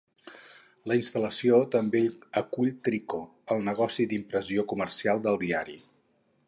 La instal·lació també acull Trico, el negoci d'impressió comercial del diari.